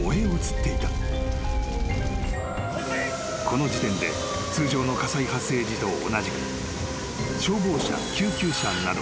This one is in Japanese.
［この時点で通常の火災発生時と同じく］